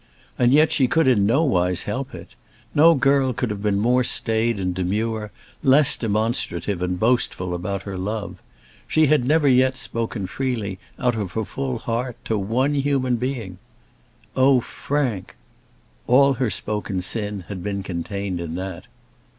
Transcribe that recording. And yet she could in nowise help it. No girl could have been more staid and demure, less demonstrative and boastful about her love. She had never yet spoken freely, out of her full heart, to one human being. "Oh, Frank!" All her spoken sin had been contained in that.